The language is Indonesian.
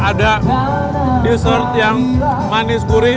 ada dessert yang manis gurih